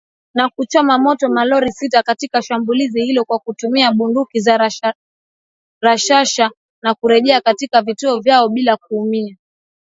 Na kuchoma moto malori sita katika shambulizi hilo kwa kutumia bunduki za rashasha na kurejea katika vituo vyao bila kuumia.